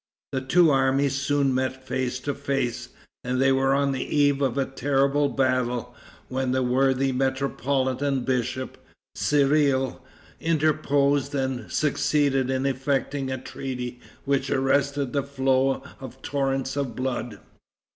The two armies soon met face to face, and they were on the eve of a terrible battle, when the worthy metropolitan bishop, Cyrille, interposed and succeeded in effecting a treaty which arrested the flow of torrents of blood.